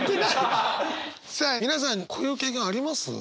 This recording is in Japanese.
さあ皆さんこういう経験あります？